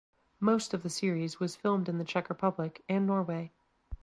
Most of the series was filmed in the Czech Republic and Norway.